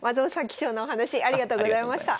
貴重なお話ありがとうございました。